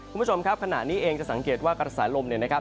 คุณผู้ชมครับขณะนี้เองจะสังเกตว่ากระแสลมเนี่ยนะครับ